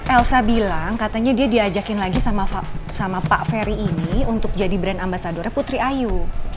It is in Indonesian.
elsa bilang katanya dia diajakin lagi sama pak ferry ini untuk jadi brand ambasadornya putri ayu